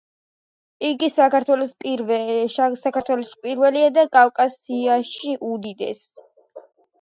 იგი საქართველოში პირველია და კავკასიაში უდიდესი.